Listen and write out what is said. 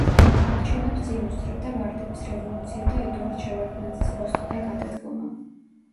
არჩევნებს წინ უსწრებდა ვარდების რევოლუცია და ედუარდ შევარდნაძის პოსტიდან გადადგომა.